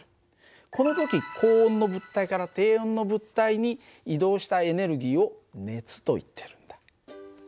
この時高温の物体から低温の物体に移動したエネルギーを熱といってるんだ。